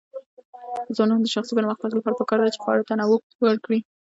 د ځوانانو د شخصي پرمختګ لپاره پکار ده چې خواړه تنوع ورکړي.